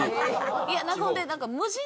いやなんかほんで。